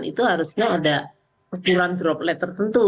itu harusnya ada usulan droplet tertentu